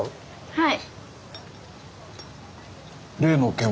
はい。